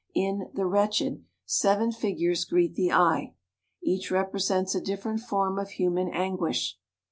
In "The Wretched" seven figures greet the eye. Each represents a different form of human anguish.